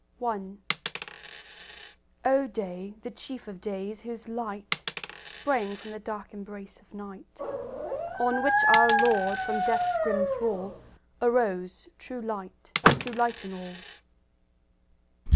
I O day, the chief of days, whose light Sprang from the dark embrace of night, On which our Lord from death's grim thrall Arose, True Light, to lighten all.